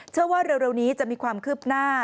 เชื่อว่าเร็วนี้จะมีความคืบหน้า